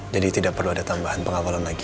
jadi tidak perlu ada tambahan pengawalan lagi